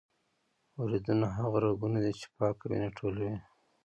وریدونه هغه رګونه دي چې پاکه وینه ټولوي.